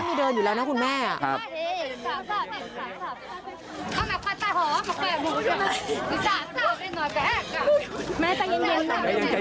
อยากจะเห็นว่าลูกเป็นยังไงอยากจะเห็นว่าลูกเป็นยังไง